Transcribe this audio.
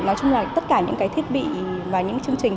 nói chung là tất cả những cái thiết bị và những chương trình